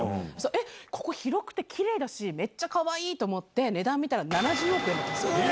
えっ、ここ広くてきれいだし、めっちゃかわいいと思って、値段見たら、７０億円とかするんですよ。